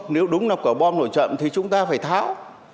nếu đúng là quả bom nổ chậm thì chúng ta phải tháo